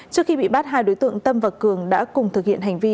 trước khi bị bắt hai đối tượng tâm và cường đã cùng thực hiện hành vi